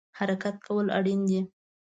حرکت کول اړین دی